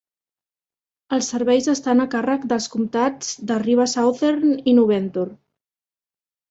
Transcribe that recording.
Els serveis estan a càrrec dels comtats d'Arriva Southern i Nu-Venture.